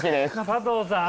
加藤さん。